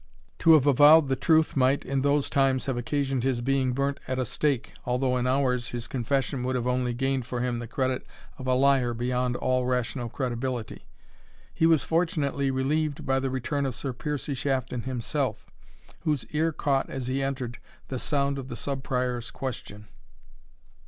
To have avowed the truth might, in those times, have occasioned his being burnt at a stake, although, in ours, his confession would have only gained for him the credit of a liar beyond all rational credibility. He was fortunately relieved by the return of Sir Piercie Shafton himself, whose ear caught, as he entered, the sound of the Sub Prior's question.